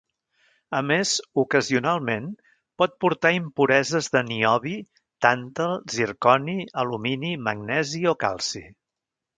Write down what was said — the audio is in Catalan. A més, ocasionalment pot portar impureses de niobi, tàntal, zirconi, alumini, magnesi o calci.